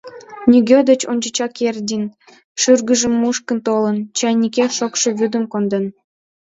Нигӧ деч ончычак Кердин шӱргыжым мушкын толын, чайникеш шокшо вӱдым конден.